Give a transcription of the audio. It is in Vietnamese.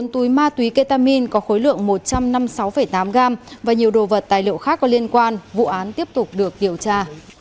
bốn túi ma túy ketamin có khối lượng một trăm năm mươi sáu tám gram và nhiều đồ vật tài liệu khác có liên quan vụ án tiếp tục được điều tra